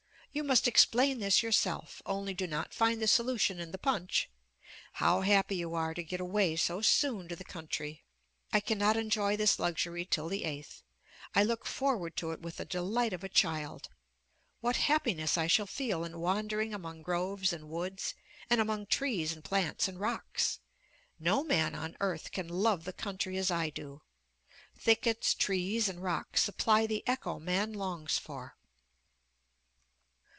You must explain this yourself, only do not find the solution in the punch! How happy you are to get away so soon to the country! I cannot enjoy this luxury till the 8th. I look forward to it with the delight of a child. What happiness I shall feel in wandering among groves and woods, and among trees and plants and rocks! No man on earth can love the country as I do! Thickets, trees, and rocks supply the echo man longs for!